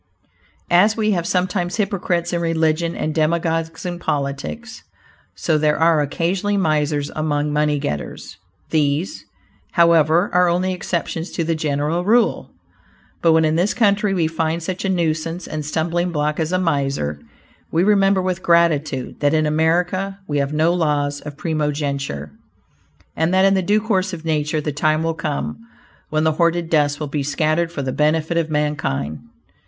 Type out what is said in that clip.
As we have sometimes hypocrites in religion, and demagogues in politics, so there are occasionally misers among money getters. These, however, are only exceptions to the general rule. But when, in this country, we find such a nuisance and stumbling block as a miser, we remember with gratitude that in America we have no laws of primogeniture, and that in the due course of nature the time will come when the hoarded dust will be scattered for the benefit of mankind.